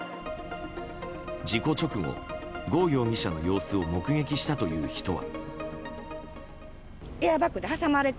事故直後、ゴ容疑者の様子を目撃したという人は。